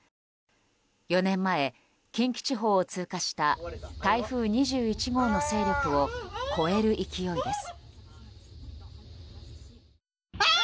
４年前、近畿地方を通過した台風２１号の勢力を超える勢いです。